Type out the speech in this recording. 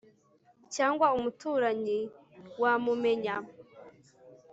cyangwa umuturanyi wamumenya